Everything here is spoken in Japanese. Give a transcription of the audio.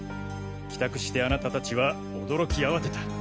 帰宅してあなた達は驚き慌てた。